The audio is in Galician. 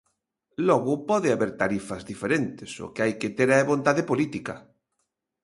Logo, pode haber tarifas diferentes, o que hai que ter é vontade política.